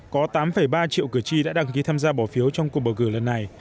có tám ba triệu cử tri đã đăng ký tham gia bỏ phiếu trong cuộc bầu cử lần này